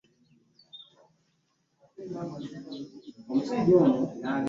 Akakoofira ka ggookipa kalina kuba mu langi nzirugavu.